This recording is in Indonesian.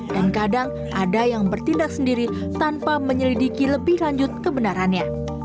dan kadang ada yang bertindak sendiri tanpa menyelidiki lebih lanjut kebenarannya